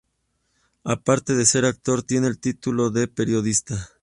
Aparte de ser actor, tiene el título de periodista.